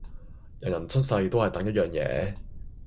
人人出世都係等一樣嘢